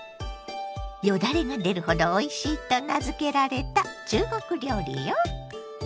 よだれが出るほどおいしいと名付けられた中国料理よ。